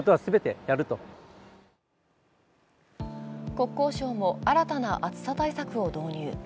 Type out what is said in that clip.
国交省も新たな暑さ対策を導入。